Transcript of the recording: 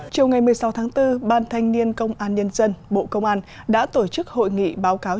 chiều ngày một mươi sáu tháng bốn ban thanh niên công an nhân dân bộ công an đã tổ chức hội nghị báo cáo